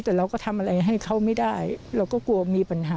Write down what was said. แต่เราก็ทำอะไรให้เขาไม่ได้เราก็กลัวมีปัญหา